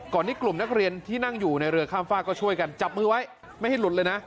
ที่กลุ่มนักเรียนที่นั่งอยู่ในเรือข้ามฝากก็ช่วยกันจับมือไว้ไม่ให้หลุดเลยนะ